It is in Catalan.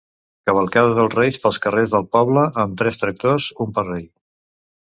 Cavalcada dels Reis pels carrers del poble amb tres tractors, u per rei.